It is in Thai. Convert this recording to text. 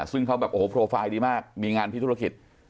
ซึ่งเขาแบบโอ้โหโปรไฟล์ดีมากมีงานที่ธุรกิจ